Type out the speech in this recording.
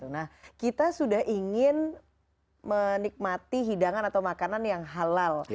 nah kita sudah ingin menikmati hidangan atau makanan yang halal